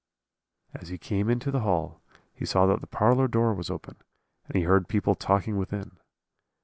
"As he came into the hall he saw that the parlour door was open, and he heard people talking within.